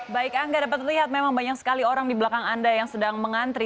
baik angga dapat terlihat memang banyak sekali orang di belakang anda yang sedang mengantri